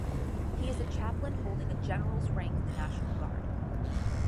He is a chaplain holding a general's rank in the National Guard.